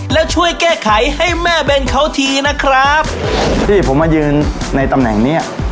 แล้วช่วยแก้ไขให้แม่เบนเขาทีนะครับที่ผมมายืนในตำแหน่งเนี้ย